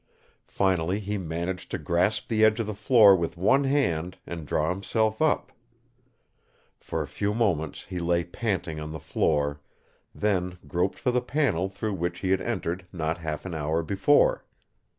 Finally he managed to grasp the edge of the floor with one hand and draw himself up. For a few moments he lay panting on the floor, then groped for the panel through which he had entered not half an hour before.